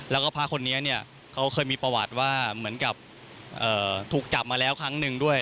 แล้วก็พระคนนี้เนี่ยเขาเคยมีประวัติว่าเหมือนกับถูกจับมาแล้วครั้งหนึ่งด้วย